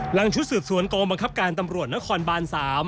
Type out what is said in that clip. ชุดสืบสวนกองบังคับการตำรวจนครบาน๓